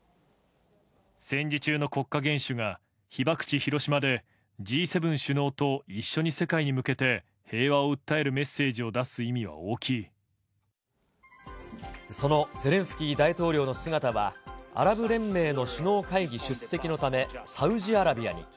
戦時中の国家元首が被爆地、広島でＧ７首脳と一緒に世界に向けて平和を訴えるメッセージを出そのゼレンスキー大統領の姿は、アラブ連盟の首脳会議出席のため、サウジアラビアに。